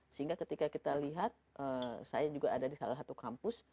sehingga ketika kita lihat saya juga ada di salah satu kampus